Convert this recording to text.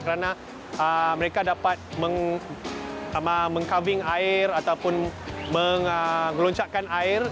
karena mereka dapat meng carving air ataupun menggeloncakkan air